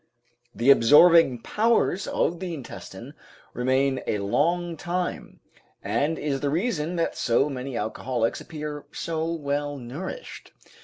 The absorbing powers of the intestine remain a long time, and is the reason that so many alcoholics appear so well nourished.